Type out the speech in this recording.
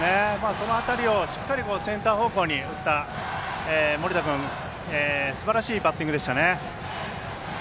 そのあたりをしっかりセンター方向に打った森田君、すばらしいバッティングでしたね。